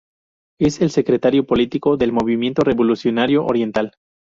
Es el secretario político del Movimiento Revolucionario Oriental.